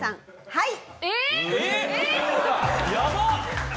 はい。